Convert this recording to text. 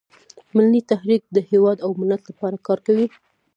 ملي تحریک د هیواد او ملت لپاره کار کوي